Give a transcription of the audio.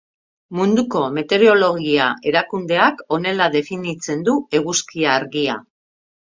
Munduko Meteorologia Erakundeak honela definitzen du eguzki-argia